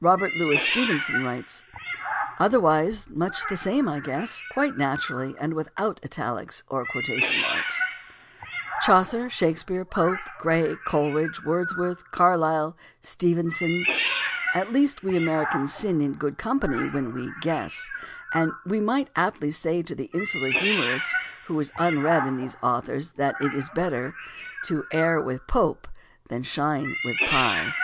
Robert Louis Stevenson writes, "Otherwise much the same, I guess," quite naturally and without italics or quotation marks (Letters, edition 1899, vol. I, p. 293). Chaucer, Shakespeare, Pope, Gray, Coleridge, Words worth, Carlyle, Stevenson — at least we Americans sin in good company when we "guess," and we might aptly say to the insular humorist who is unread in these authors that it is better "... to err with Pope than shine with Pye."